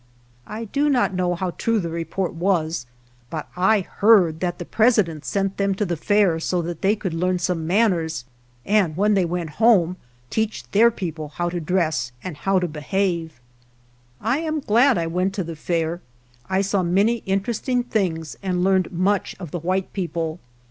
I do not know how true the report was, but I heard that the President sent them to the Fair so that they could learn some man ners, and when they went home teach their people how to dress and how to be have. I am glad I went to the Fair. I saw many interesting things and learned much of the white people.